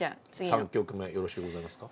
３曲目よろしゅうございますか。